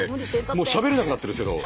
もうしゃべれなくなってるんですけど。